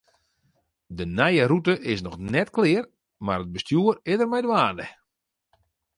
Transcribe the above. De nije rûte is noch net klear, mar it bestjoer is der mei dwaande.